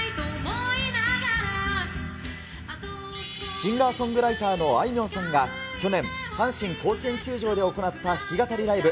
シンガーソングライターのあいみょんさんが去年、阪神甲子園球場で行った弾き語りライブ。